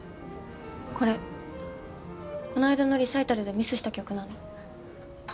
これこの間のリサイタルでミスした曲なの。